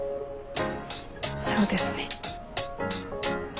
そうですね。